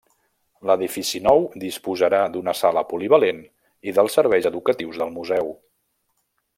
L'edifici nou disposarà d'una sala polivalent i dels serveis educatius del museu.